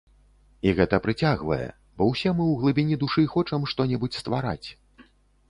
І гэта прыцягвае, бо ўсе мы ў глыбіні душы хочам што-небудзь ствараць.